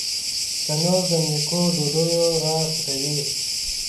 تنور د نیکو ډوډیو راز پټوي